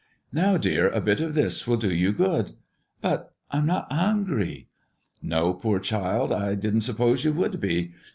"Now, dear, a bit of this will do you good." "But I'm not hungry." "No, poor child, I didn't suppose you would be.